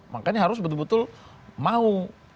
makanya harus betul betul mau